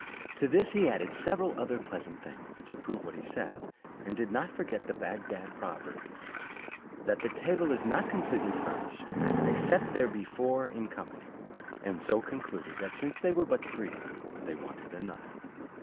To this he added several other pleasant things, to prove what he said, and did not forget the Bagdad proverb, "That the table is not completely furnished, except there be four in company:" and so concluded, that since they were but three, they wanted another.